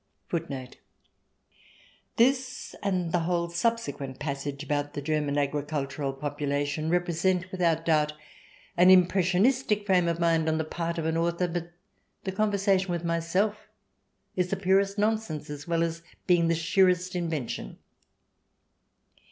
* The man * This and the whole subsequent passage about the German agricultural population represent, without doubt, an impression istic frame of mind on the part of an author, but the conversation with myself is the purest nonsense, as well as being the sheerest invention.